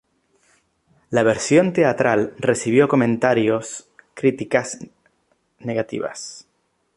La versión teatral recibió comentarios críticas negativas.